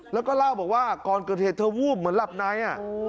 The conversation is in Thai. แล้วก็เล่าบอกว่าก่อนเกิดเหตุเธอวูบเหมือนหลับใน